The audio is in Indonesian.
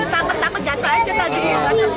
takut takut jatuh aja tadi